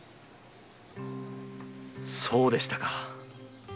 そうでしたか。